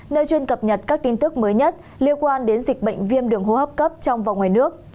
nơi chuyên cập nhật các tin tức mới nhất liên quan đến dịch bệnh viêm đường hô hấp cấp trong và ngoài nước